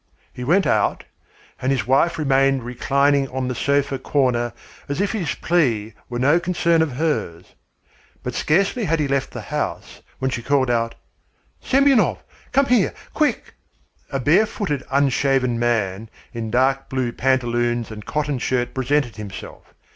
He went out, and his wife remained reclining in the sofa corner as if his plea were no concern of hers. But scarcely had he left the house, when she called out: "Semyonov, come here. Quick!" A bare footed unshaven man in dark blue pantaloons and cotton shirt presented himself.